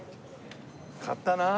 買ったなあ。